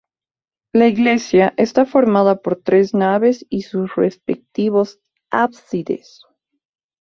La iglesia está formada por tres naves y sus respectivos ábsides.